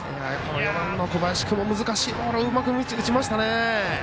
４番の小林君も難しいボールうまく打ちましたね。